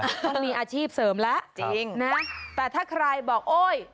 ก็มีอาชีพเสริมแล้วจริงนะแต่ถ้าใครบอกโอ๊ย